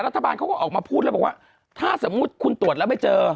รัฐบาลเขาก็ออกมาพูดแล้วบอกว่าถ้าสมมุติคุณตรวจแล้วไม่เจอ